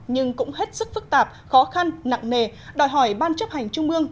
nhưng cũng hết sức phức tạp khó khăn nặng nề đòi hỏi ban chấp hành trung ương